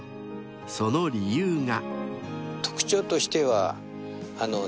［その理由が］